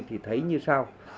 thì thấy như sao